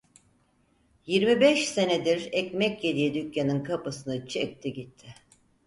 Yirmi beş senedir ekmek yediği dükkanın kapısını çekti gitti.